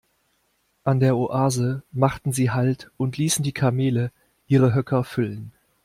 An der Oase machten sie Halt und ließen die Kamele ihre Höcker füllen.